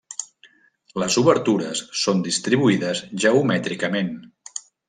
Les obertures són distribuïdes geomètricament.